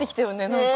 何か。